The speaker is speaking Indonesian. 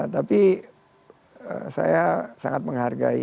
tapi saya sangat menghargai